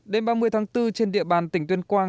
đêm ba mươi tháng bốn trên địa bàn tỉnh tuyên quang